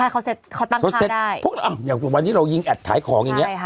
ค่ะเขาเสร็จความว่าเนี่ยนี้เรายิงแอดถ่ายของเนี่ย